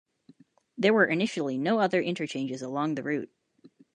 There were initially no other interchanges along the route.